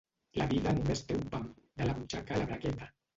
La vida només té un pam, de la butxaca a la bragueta.